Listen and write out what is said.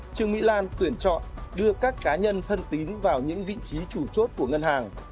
trương mỹ lan tuyển chọn đưa các cá nhân thân tín vào những vị trí chủ chốt của ngân hàng